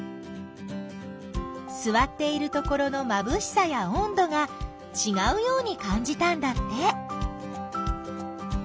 すわっているところのまぶしさやおんどがちがうようにかんじたんだって。